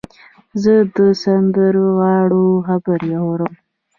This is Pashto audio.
زه د سندرغاړو خبرې اورم.